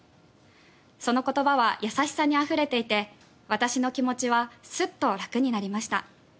その言葉は優しさにあふれていて私の気持ちはスッと楽になりました。